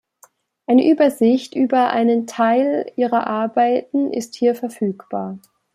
Eine Übersicht über einen Teil ihrer Arbeiten ist hier verfügbar.